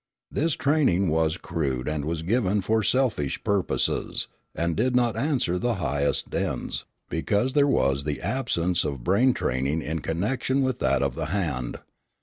This training was crude and was given for selfish purposes, and did not answer the highest ends, because there was the absence of brain training in connection with that of the hand.